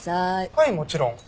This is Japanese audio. はいもちろん。